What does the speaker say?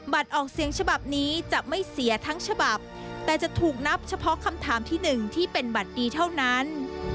ออกเสียงฉบับนี้จะไม่เสียทั้งฉบับแต่จะถูกนับเฉพาะคำถามที่หนึ่งที่เป็นบัตรดีเท่านั้น